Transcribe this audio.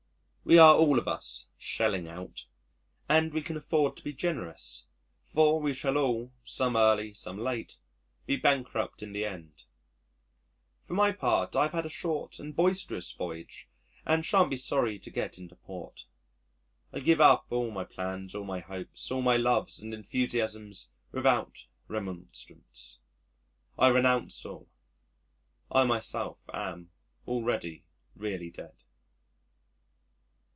We are all of us "shelling out." And we can afford to be generous, for we shall all some early, some late be bankrupt in the end. For my part, I've had a short and boisterous voyage and shan't be sorry to get into port. I give up all my plans, all my hopes, all my loves and enthusiasms without remonstrance. I renounce all I myself am already really dead.